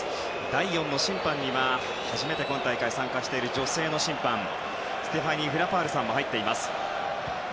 第４の審判には初めて今大会、参加している女性の審判ステファニー・フラパールさんも入っています。